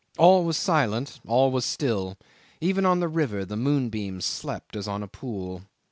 All was silent, all was still; even on the river the moonbeams slept as on a pool.